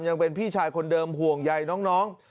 ยังเป็นพี่ชายคนเดิมห่วงใยน้อง